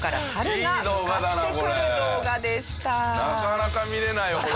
なかなか見られないよこれ。